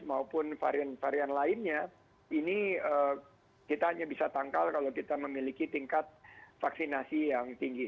maupun varian varian lainnya ini kita hanya bisa tangkal kalau kita memiliki tingkat vaksinasi yang tinggi